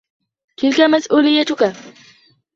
تلك مسؤوليتك.